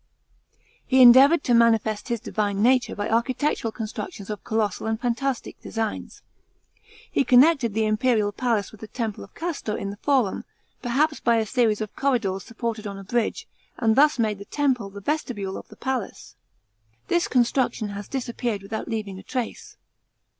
§ 8. He endeavoured to manifest his divine nature by archi tectural constructions of colossal and fantastic designs. He connected the imperial palace with the temple of Castor in the Forum, perhaps by a series of corridors supported on a bridge, and thus made the temple the vestibule of the palace. This construc tion has disappeared without leaving a trace.